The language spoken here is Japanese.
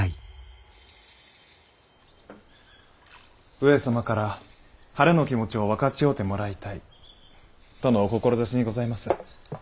上様から晴れの気持ちを分かち合うてもらいたいとのお志にございます。